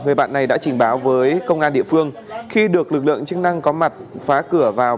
người bạn này đã trình báo với công an địa phương khi được lực lượng chức năng có mặt phá cửa vào